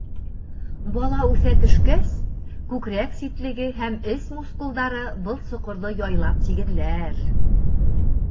Бала үҫә төшкәс, күкрәк ситлеге һәм эс мускулдары был соҡорҙо яйлап тигеҙләр.